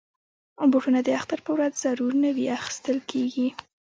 بوټونه د اختر په ورځ ضرور نوي اخیستل کېږي.